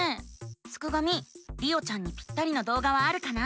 すくがミりおちゃんにぴったりな動画はあるかな？